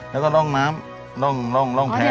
แล้วก็ร่องน้ำร่องร่องร่องแพร่